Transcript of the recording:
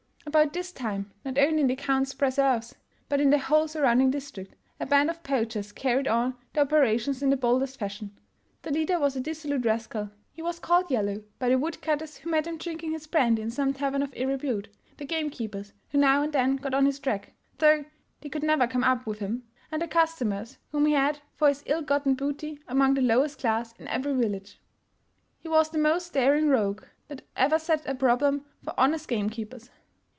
" About this time, not only in the Count's preserves, but in the whole surrounding district, a band of poachers car ried on their operations in the boldest fashion. The leader was a dissolute rascal. He was called '' Yellow '' by the wood cutters who met him drinking his brandy in some tavern of ill repute, the game keepers who now and then got on his track, though they could never come up with him, and the customers whom he had for his ill gotten booty among the lowest class in every village. He was the most daring rogue that ever set a problem for honest game keepers.